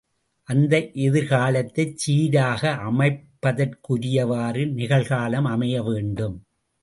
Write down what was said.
அந்த எதிர்காலத்தைச் சீராக அமைப்பதற்குரியவாறு நிகழ்காலம் அமைய வேண்டும்.